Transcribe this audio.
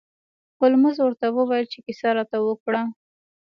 هولمز ورته وویل چې کیسه راته وکړه.